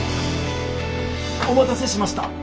お待たせしました。